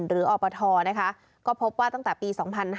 หรือออปทก็พบว่าตั้งแต่ปี๒๕๕๘๒๕๖๐